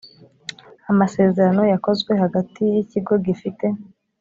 amasezerano yakozwe hagati y ikigo gifite